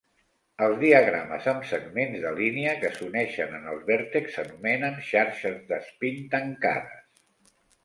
Els diagrames amb segments de línia que s'uneixen en els vèrtexs s'anomenen "xarxes d'espín tancades".